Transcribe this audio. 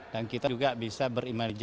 dan kita juga bisa berimajinasi kayak lainnya